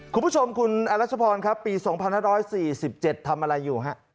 คุณผู้ชมคุณแอลรัชพรปี๒๕๔๗ทำอะไรอยู่